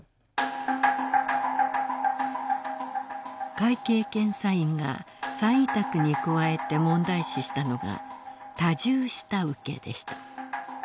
会計検査院が再委託に加えて問題視したのが多重下請けでした。